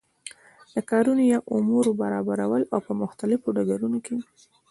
د کارونو یا امورو برابرول او په مختلفو ډګرونو کی